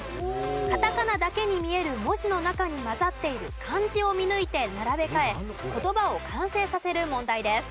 カタカナだけに見える文字の中に交ざっている漢字を見抜いて並べ替え言葉を完成させる問題です。